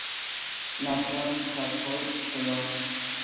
Nació en Tsárskoye Seló.